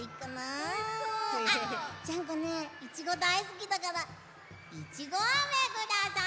あジャンコねいちごだいすきだからいちごあめください！